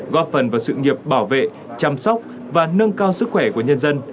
góp phần vào sự nghiệp bảo vệ chăm sóc và nâng cao sức khỏe của nhân dân